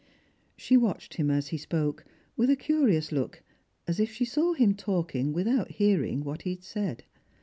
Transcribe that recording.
She watched him as he spoke, with a curious look, as if she saV him talking without hearing what he said.